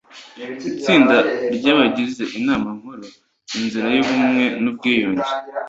itsinda ry abagize inama nkuru inzira y ubumwe n ubwiyunge